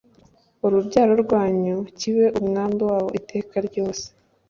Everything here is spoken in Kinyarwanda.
urubyaro rwanyu kibe umwandu wabo iteka ryose